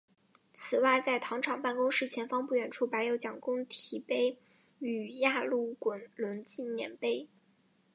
此外在糖厂办公室前方不远处摆有蒋公堤碑与压路滚轮纪念碑。